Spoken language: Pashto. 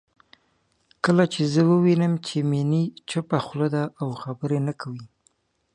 کله چې زه ووينم چې میني چپه خوله ده او خبرې نه کوي